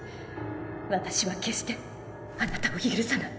・私は決してあなたを許さない。